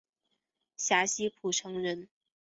陕西蒲城人。